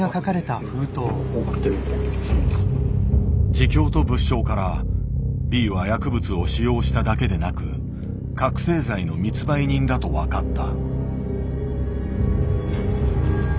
自供と物証からＢは薬物を使用しただけでなく覚醒剤の密売人だと分かった。